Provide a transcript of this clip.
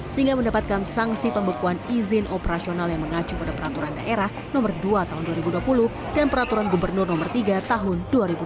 sehingga mendapatkan sanksi pembekuan izin operasional yang mengacu pada peraturan daerah nomor dua tahun dua ribu dua puluh dan peraturan gubernur nomor tiga tahun dua ribu dua puluh